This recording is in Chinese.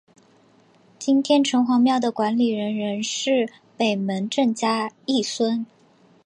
今天城隍庙的管理人仍是北门郑家裔孙。